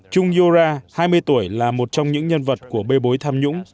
chung yo ra hai mươi tuổi là một trong những nhân vật của bê bối tham nhũng